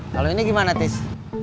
kalau ini gimana tis